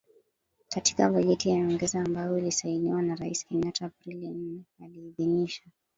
Katika bajeti ya nyongeza ambayo ilisainiwa na Rais Kenyatta Aprili nne, aliidhinisha